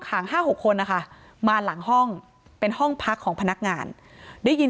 ขัง๕๖คนนะคะมาหลังห้องเป็นห้องพักของพนักงานได้ยิน